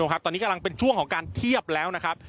ครับตอนนี้กำลังเป็นช่วงของการเทียบแล้วนะครับ